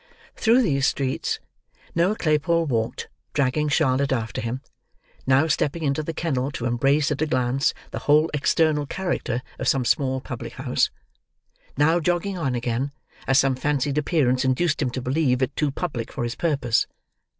Through these streets, Noah Claypole walked, dragging Charlotte after him; now stepping into the kennel to embrace at a glance the whole external character of some small public house; now jogging on again, as some fancied appearance induced him to believe it too public for his purpose.